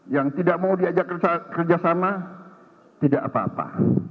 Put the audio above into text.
yang tidak mau diajak kerjasama tidak apa apa